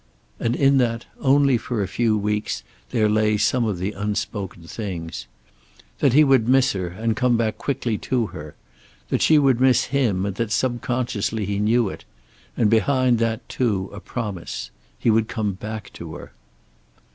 And in that "only for a few weeks" there lay some of the unspoken things. That he would miss her and come back quickly to her. That she would miss him, and that subconsciously he knew it. And behind that, too, a promise. He would come back to her.